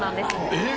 えっ！